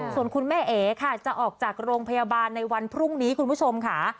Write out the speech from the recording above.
ส่วนคุณแม่เอ๋ค่ะจะออกจากโรงพยาบาลในวันพรุ่งนี้คุณผู้ชมค่ะ